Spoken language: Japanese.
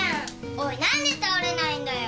おいなんで倒れないんだよ？